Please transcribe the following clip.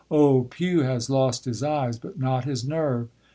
Old Pew has lost his eyes, but not his nerve.